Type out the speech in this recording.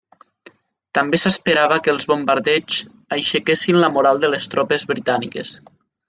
També s'esperava que els bombardeigs aixequessin la moral de les tropes britàniques.